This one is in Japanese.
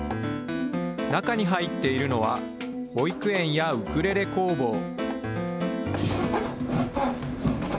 中に入っているのは、保育園やウクレレ工房。